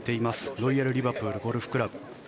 ロイヤル・リバプールゴルフクラブ。